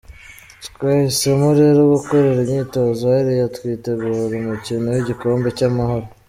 Twahisemo rero gukorera imyitozo hariya twitegura umukino w’igikombe cy’Amahoro.